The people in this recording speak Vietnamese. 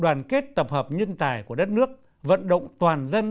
đoàn kết tập hợp nhân tài của đất nước vận động toàn dân